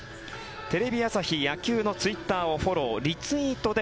テレビ朝日野球のツイッターをフォロー、リツイートで